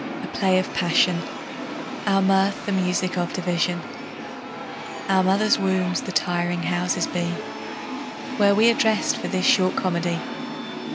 A play of passion, Our mirth the music of division, Our mother's wombs the tiring houses be, Where we are dressed for this short comedy.